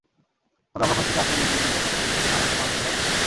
তবে অবাক হয়েছি চার্চের নেতৃত্বের পক্ষ থেকে বিষয়টি ধামাচাপা দেওয়ার চেষ্টা দেখে।